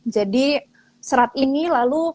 jadi serat ini lalu